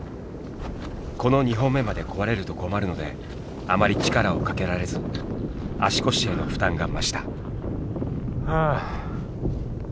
この２本目まで壊れると困るのであまり力をかけられず足腰への負担が増した。